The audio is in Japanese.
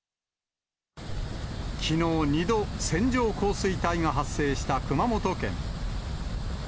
きのう、２度、線状降水帯が発生した熊本県。